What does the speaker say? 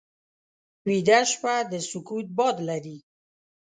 ویده شپه د سکوت باد لري